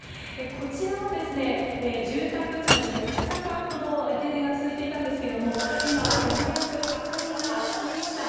こちらの住宅地も２日間ほど停電が続いていたんですが今ようやく明かりがつきました。